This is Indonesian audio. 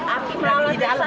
api melalui di dalam